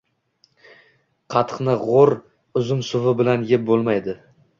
Qatiqni g‘o‘r uzum suvi bilan yeb bo‘lmaydi.